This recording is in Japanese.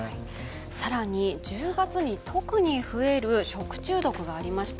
更に１０月に特に増える食中毒がありました。